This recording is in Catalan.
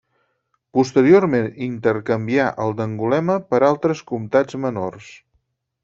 Posteriorment intercanvià el d'Angulema per altres comtats menors.